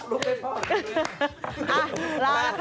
ลุกให้พ่อดีเลย